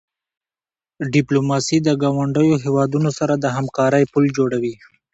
ډیپلوماسي د ګاونډیو هېوادونو سره د همکاری پل جوړوي.